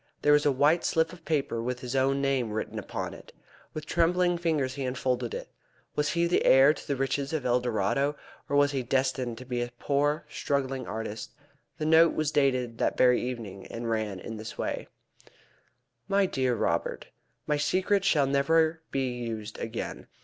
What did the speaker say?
There was a white slip of paper with his own name written upon it. With trembling fingers he unfolded it. Was he the heir to the riches of El Dorado, or was he destined to be a poor struggling artist? The note was dated that very evening, and ran in this way: "MY DEAR ROBERT, My secret shall never be used again.